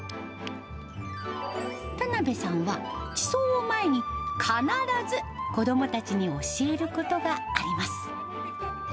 田辺さんは、地層を前に必ず子どもたちに教えることがあります。